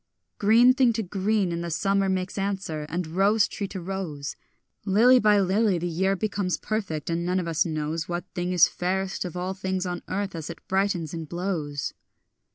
Green thing to green in the summer makes answer, and rose tree to rose; Lily by lily the year becomes perfect; and none of us knows What thing is fairest of all things on earth as it brightens and blows.